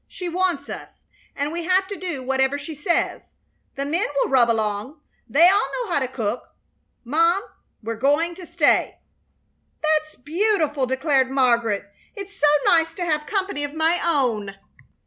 "She wants us, and we have to do whatever she says. The men will rub along. They all know how to cook. Mom, we're going to stay." "That's beautiful!" declared Margaret. "It's so nice to have some company of my own."